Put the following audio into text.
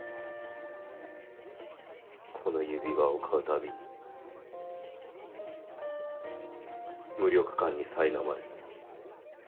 この指輪を買うたびに無力感に苛まれる。